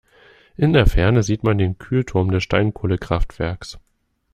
In der Ferne sieht man den Kühlturm des Steinkohlekraftwerks.